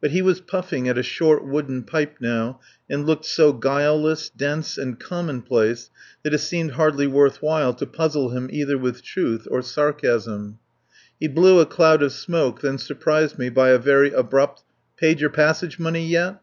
But he was puffing at a short wooden pipe now, and looked so guileless, dense, and commonplace, that it seemed hardly worth while to puzzle him either with truth or sarcasm. He blew a cloud of smoke, then surprised me by a very abrupt: "Paid your passage money yet?"